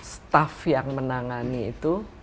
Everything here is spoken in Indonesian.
staff yang menangani itu